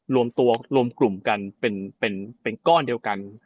รวมตัวรวมกลุ่มกันเป็นก้อนเดียวกันนะครับ